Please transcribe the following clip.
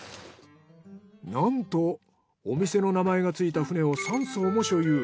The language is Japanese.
なんとお店の名前がついた船を３艘も所有。